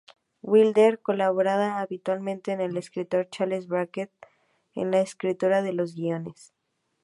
Wilder colaboraba habitualmente con el escritor Charles Brackett en la escritura de los guiones.